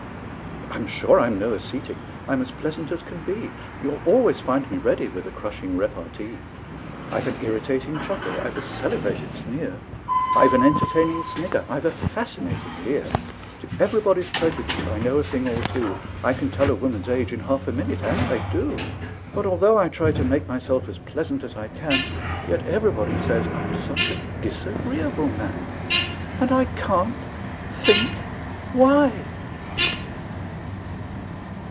I'm sure I'm no ascetic: I'm as pleasant as can be; You'll always find me ready with a crushing repartee; I've an irritating chuckle; I've a celebrated sneer; I've an entertaining snigger; I've a fascinating leer; To everybody's prejudice I know a thing or two; I can tell a woman's age in half a minute and I do But although I try to make myself as pleasant as I can, Yet everybody says I'm such a disagreeable man! And I can't think why!